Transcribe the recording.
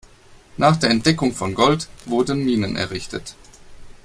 Nach der Entdeckung von Gold wurden Minen errichtet.